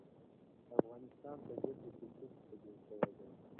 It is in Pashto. د افغانستان طبیعت له کلتور څخه جوړ شوی دی.